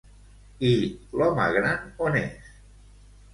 I l'home gran on és?